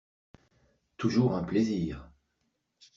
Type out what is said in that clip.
Toujours un plaisir